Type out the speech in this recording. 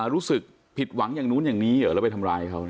รู้สึกผิดหวังอย่างนู้นอย่างนี้เหรอแล้วไปทำร้ายเขา